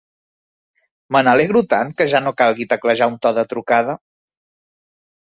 Me n'alegro tant que ja no calgui teclejar un to de trucada!